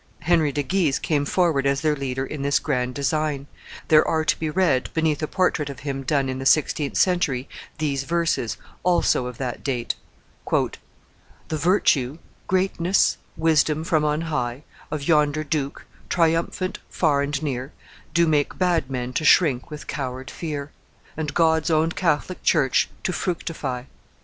Henry de Guise came forward as their leader in this grand design; there are to be read, beneath a portrait of him done in the sixteenth century, these verses, also of that date: "The virtue, greatness, wisdom from on high, Of yonder duke, triumphant far and near, Do make bad men to shrink with coward fear, And God's own Catholic church to fructify.